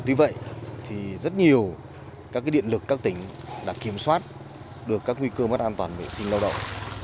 tuy vậy thì rất nhiều các điện lực các tỉnh đã kiểm soát được các nguy cơ mất an toàn vệ sinh lao động